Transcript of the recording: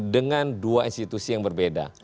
dengan dua institusi yang berbeda